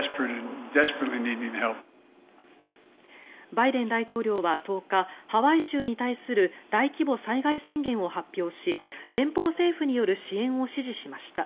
バイデン大統領は１０日ハワイ州に対する大規模災害宣言を発表し連邦政府による支援を指示しました。